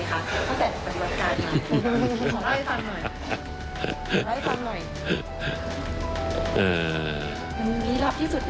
ขอร้ายฟังหน่อย